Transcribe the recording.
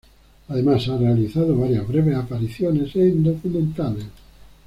Además ha realizado varias breves apariciones en documentales.